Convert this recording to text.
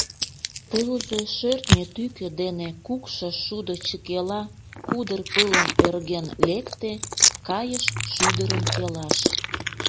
Тылзе шӧртньӧ тӱкӧ дене Кукшо шудо чыкела Кудыр пылым ӧрген лекте, Кайыш шӱдырым келаш.